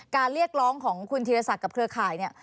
การเรียกร้องของคุณธิรษัทกับเครือข่าย